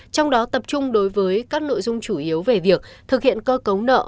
trong đó tập trung đối với các nội dung chủ yếu về việc thực hiện cơ cấu nợ